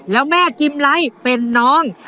แล้วแม่กิมไลท์เป็นน้อง